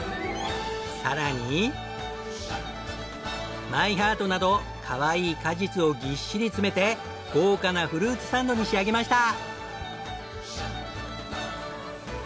さらにマイハートなどかわいい果実をぎっしり詰めて豪華なフルーツサンドに仕上げました。